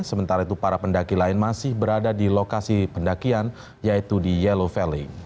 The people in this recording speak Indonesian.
sementara itu para pendaki lain masih berada di lokasi pendakian yaitu di yellow felling